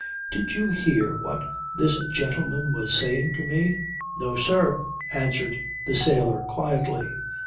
"Did you hear what this gentleman was saying to me?" "No, sir," answered the sailor quietly.